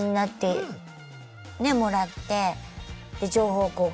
もらってで情報交換